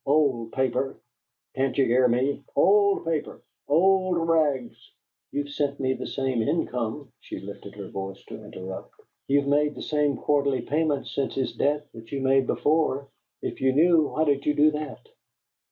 Old paper! Can't you hear me? Old paper, old rags " "You have sent me the same income," she lifted her voice to interrupt; "you have made the same quarterly payments since his death that you made before. If you knew, why did you do that?"